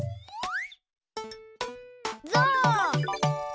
ゾウ！